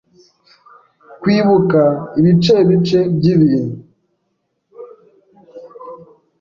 Kwibuka ibicebice by’ibintu